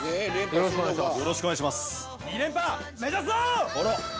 よろしくお願いします。